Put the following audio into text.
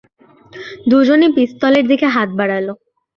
দুজনই পিস্তলের দিকে হাত বাড়ালে।